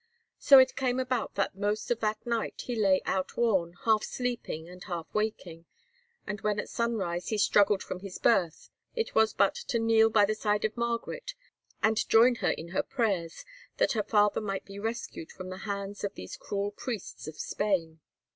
So it came about that most of that night he lay outworn, half sleeping and half waking, and when at sunrise he struggled from his berth, it was but to kneel by the side of Margaret and join her in her prayers that her father might be rescued from the hands of these cruel priests of Spain.